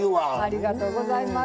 ありがとうございます。